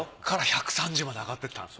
から１３０まで上がってった。